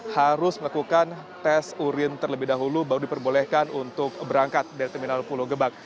harus melakukan tes urin terlebih dahulu baru diperbolehkan untuk berangkat dari terminal pulau gebang